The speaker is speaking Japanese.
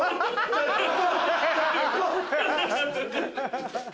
ハハハ。